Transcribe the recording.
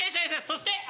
そして。